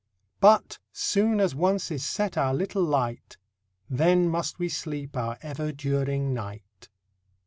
But, soon as once is set our little light, Then must we sleep our ever during night.